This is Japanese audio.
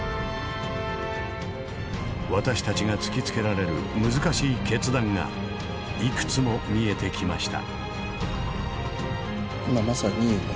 私たちが突きつけられる難しい決断がいくつも見えてきました。